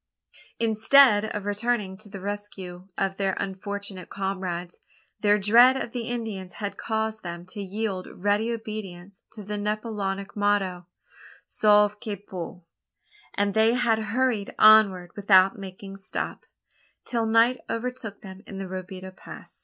Instead of returning to the rescue of their unfortunate comrades, their dread of the Indians had caused them to yield ready obedience to the Napoleonic motto, sauve qui peut: and they had hurried onward without making stop, till night overtook them in the Robideau Pass.